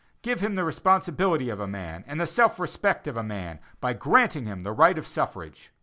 Give him the responsibility of a man and the self respect of a man, by granting him the right of suffrage.